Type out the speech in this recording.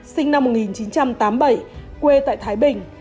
sinh năm một nghìn chín trăm tám mươi bảy quê tại thái bình